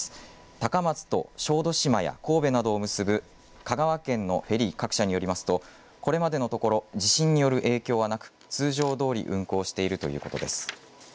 高松と小豆島や神戸などを結ぶ香川県のフェリー各社によりますとこれまでのところ地震による影響はなく、通常どおり運航しているということです。